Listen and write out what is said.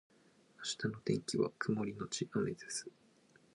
明日の天気は曇りのち雨です